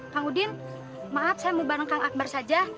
kang udin maaf saya mau bareng kang akbar saja